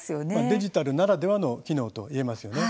デジタルならではの機能といえますよね。